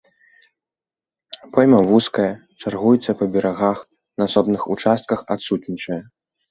Пойма вузкая, чаргуецца па берагах, на асобных участках адсутнічае.